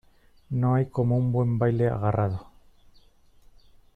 no hay como un buen baile agarrado